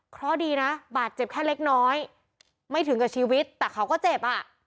เพราะดีนะบาดเจ็บแค่เล็กน้อยไม่ถึงกับชีวิตแต่เขาก็เจ็บอ่ะ